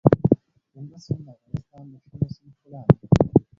کندز سیند د افغانستان د شنو سیمو ښکلا ده.